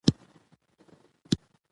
که هغه مرسته ونکړي، ستونزه به ډېره شي.